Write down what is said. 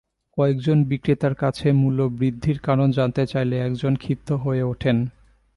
কয়েকজন বিক্রেতার কাছে মূল্যবৃদ্ধির কারণ জানতে চাইলে একজন ক্ষিপ্ত হয়ে ওঠেন।